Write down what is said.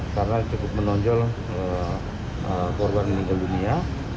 karena cukup menonjol korban meninggal dunia